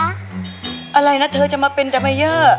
อะไรนะเธอจะมาเป็นจะมาเยอะ